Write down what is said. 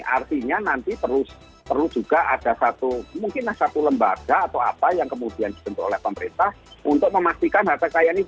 artinya nanti perlu juga ada satu mungkinlah satu lembaga atau apa yang kemudian dibentuk oleh pemerintah untuk memastikan harta kekayaan ini